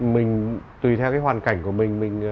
mình tùy theo cái hoàn cảnh của mình